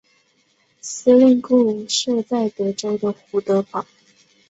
司令部设在德州的胡德堡。